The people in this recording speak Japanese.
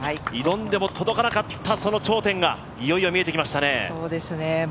挑んでも届かなかったその頂点がいよいよ見えてきましたね。